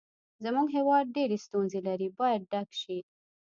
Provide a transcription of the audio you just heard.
زموږ هېواد ډېرې ستونزې لري باید ډک شي.